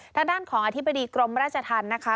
ทางด้านของอธิบดีกรมราชธรรมนะคะ